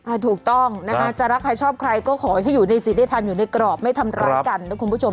ถูกต้องนะคะจะรักใครชอบใครก็ขอให้อยู่ในสิทธิธรรมอยู่ในกรอบไม่ทำร้ายกันนะคุณผู้ชม